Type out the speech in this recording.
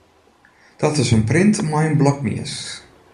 Dat is in print mei in blokmies.